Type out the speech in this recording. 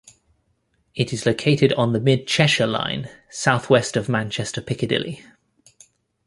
It is located on the Mid-Cheshire Line southwest of Manchester Piccadilly.